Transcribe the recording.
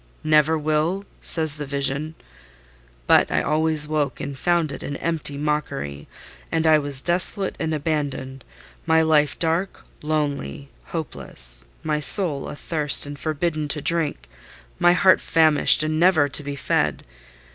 "Never will, says the vision? But I always woke and found it an empty mockery; and I was desolate and abandoned—my life dark, lonely, hopeless—my soul athirst and forbidden to drink—my heart famished and never to be fed.